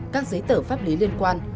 các giấy tờ pháp lý liên quan